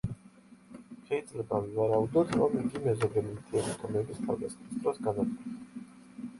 შეიძლება ვივარაუდოთ, რომ იგი მეზობელი მთიელი ტომების თავდასხმის დროს განადგურდა.